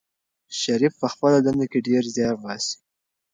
شریف په خپله دنده کې ډېر زیار باسي.